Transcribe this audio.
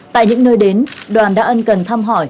tại những nơi đến đoàn đã ân cần thăm hỏi